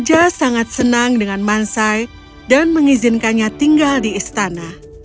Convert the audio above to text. raja sangat senang dengan mansai dan mengizinkannya tinggal di istana